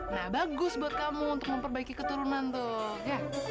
nah bagus buat kamu untuk memperbaiki keturunan tuh ya